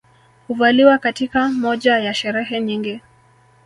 Huvaliwa katika moja ya sherehe nyingi